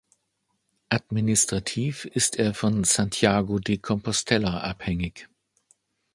Administrativ ist er von Santiago de Compostela abhängig.